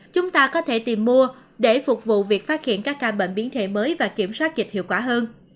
chúng ta có thể tìm mua để phục vụ việc phát hiện các ca bệnh biến thể mới và kiểm soát dịch hiệu quả hơn